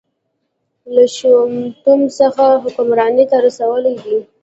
له شپونتوب څخه حکمرانۍ ته رسولی دی.